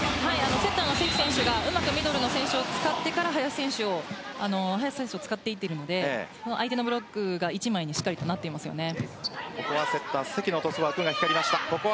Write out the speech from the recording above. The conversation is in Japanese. セッターの関選手がうまくミドルの選手を使ってから林選手を使っていっているので相手のブロックが１枚にしっかりとなっていますよね。